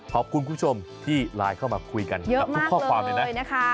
ขอบคุณคุณผู้ชมที่ไลน์เข้ามาคุยกันเยอะมากเลยนะคะ